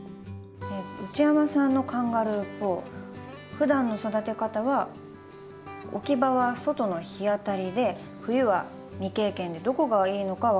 内山さんのカンガルーポーふだんの育て方は置き場は外の日当たりで冬は未経験でどこがいいのか分からないそうです。